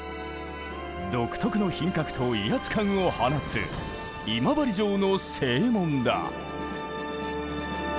独特の品格と威圧感を放つ今治城の正門だ。